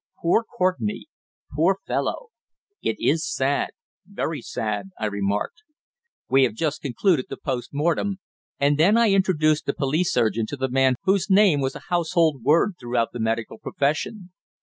Poor Courtenay! Poor fellow!" "It is sad very sad," I remarked. "We have just concluded the post mortem;" and then I introduced the police surgeon to the man whose name was a household word throughout the medical profession.